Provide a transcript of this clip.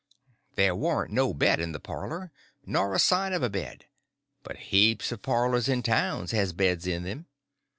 There warn't no bed in the parlor, nor a sign of a bed; but heaps of parlors in towns has beds in them.